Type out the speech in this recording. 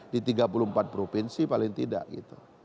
di tiga puluh empat provinsi paling tidak gitu